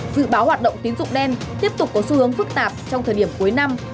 dự báo hoạt động tín dụng đen tiếp tục có xu hướng phức tạp trong thời điểm cuối năm